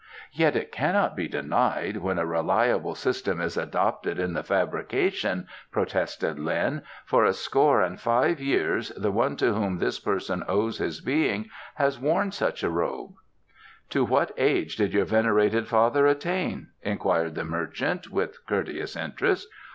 "Yet it cannot be denied, when a reliable system is adopted in the fabrication," protested Lin. "For a score and five years the one to whom this person owes his being has worn such a robe." "To what age did your venerated father attain?" inquired the merchant, with courteous interest.